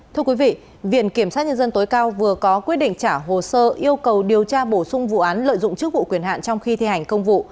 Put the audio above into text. thưa quý vị viện kiểm sát nhân dân tối cao vừa có quyết định trả hồ sơ yêu cầu điều tra bổ sung vụ án lợi dụng chức vụ quyền hạn trong khi thi hành công vụ